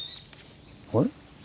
あれ？